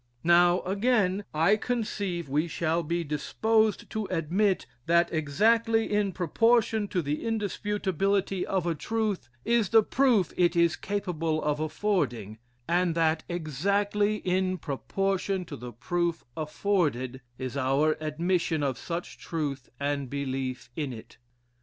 Now, again, I conceive we shall be disposed to admit, that exactly in proportion to the indisputability of a truth, is the proof it is capable of affording; and that, exactly in proportion to the proof afforded, is our admission of such truth and belief in it.